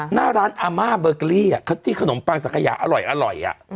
หน้าร้านอาม่าเบอร์เกอรี่ที่ขนมปังสักขยะอร่อย